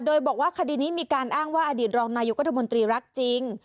โดยบอกว่าคดีนี้มีการอ้างว่าอดีตรองนายกรัฐมนตรีรักจริง